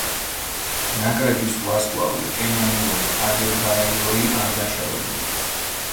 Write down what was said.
ნაკრების ვარსკვლავი ემანუელ ადებაიორი არ დაშავებულა.